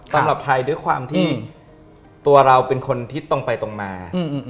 สำหรับไทยด้วยความที่ตัวเราเป็นคนทิศตรงไปตรงมา